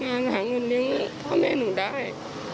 งานหาเงินเลี้ยงเพราะแม่หนูได้